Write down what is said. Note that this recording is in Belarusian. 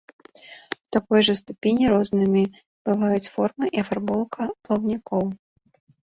У такой жа ступені рознымі бываюць форма і афарбоўка плаўнікоў.